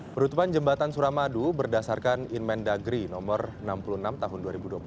penutupan jembatan suramadu berdasarkan inmen dagri no enam puluh enam tahun dua ribu dua puluh satu